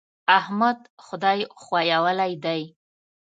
احمد خدای ښويولی دی.